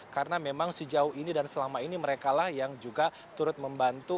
karena memang sejauh ini dan selama ini mereka lah yang juga turut membantu